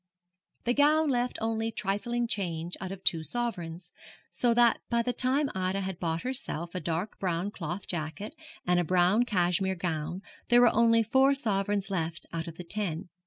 The gown left only trifling change out of two sovereigns, so that by the time Ida had bought herself a dark brown cloth jacket and a brown cashmere gown there were only four sovereigns left out of the ten.